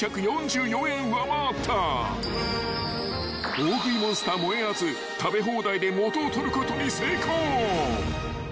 ［大食いモンスターもえあず食べ放題で元を取ることに成功］